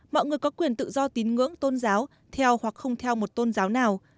mọi người có quyền tự do tín ngưỡng tôn giáo theo hoặc không theo một tôn giáo nào